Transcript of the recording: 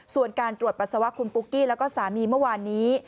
ส่วนการตรวจปัสสาวะคุณปุ๊กกี้แล้วก็สามีเมื่อวานนี้